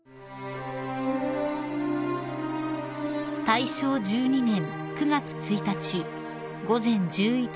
［大正１２年９月１日午前１１時５８分